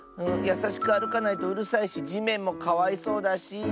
やさしくあるかないとうるさいしじめんもかわいそうだし。